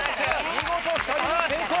見事２人目成功。